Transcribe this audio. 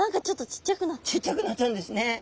ちっちゃくなっちゃうんですね。